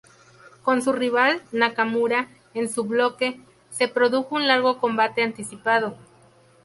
Con su rival Nakamura en su bloque, se produjo un largo combate anticipado.